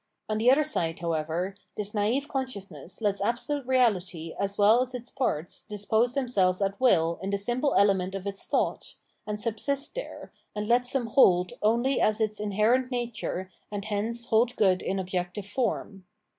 On the other side, however, this naive conscious ness lets absolute Reality as well as its parts dispose themselves at will in the simple element of its thought, and subsist there, and lets them hold only as its inherent nature and hence hold good in objective form.